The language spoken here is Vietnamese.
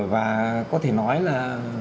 và có thể nói là